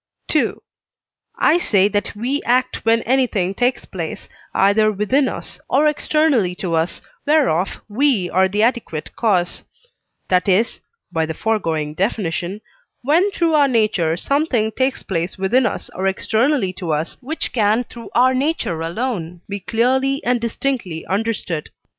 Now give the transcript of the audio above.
II. I say that we act when anything takes place, either within us or externally to us, whereof we are the adequate cause; that is (by the foregoing definition) when through our nature something takes place within us or externally to us, which can through our nature alone be clearly and distinctly understood.